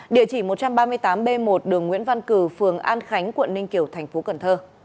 địa chỉ một trăm ba mươi tám b một đường nguyễn văn cử phường an khánh quận ninh kiều tp hcm